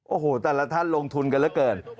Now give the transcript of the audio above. โอ้โหแต่ละท่านลงทุนกันเหลือเกิน